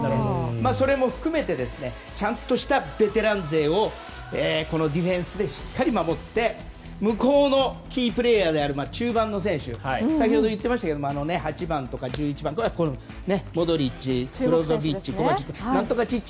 それも含めてちゃんとしたベテラン勢をディフェンスでしっかり守って向こうのキープレーヤーである中盤の選手先ほど言ってましたけど８番、１１番のモドリッチ、ブロゾビッチそして、コバチッチ。